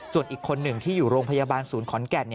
ส่วนอีกคนหนึ่งที่อยู่โรงพยาบาลศูนย์ขอนแก่น